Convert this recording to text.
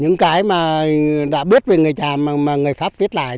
những cái mà đã biết về người pháp viết lại